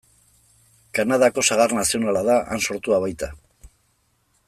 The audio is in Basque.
Kanadako sagar nazionala da, han sortua baita.